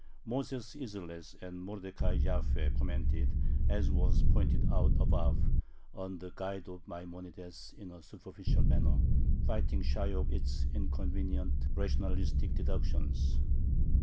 Moses Isserles and Mordecai Jaffe commented, as was pointed out above, on the "Guide" of Maimonides in a superficial manner, fighting shy of its inconvenient rationalistic deductions.